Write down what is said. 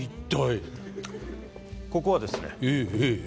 ここはですね